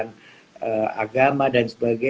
juga bukan kesol above